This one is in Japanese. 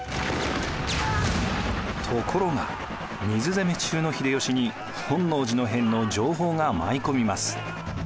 ところが水攻め中の秀吉に本能寺の変の情報が舞い込みます。